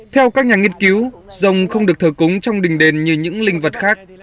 theo các nhà nghiên cứu rồng không được thờ cúng trong đình đền như những linh vật khác